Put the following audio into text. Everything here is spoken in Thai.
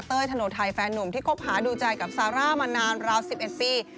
ธโนไทยแฟนนุ่มที่คบหาดูใจกับซาร่ามานานราว๑๑ปี